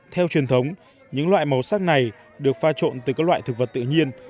theo truyền thống những loại màu sắc này được pha trộn từ các loại thực vật tự nhiên